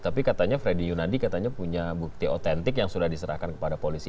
tapi katanya freddy yunadi katanya punya bukti otentik yang sudah diserahkan kepada polisi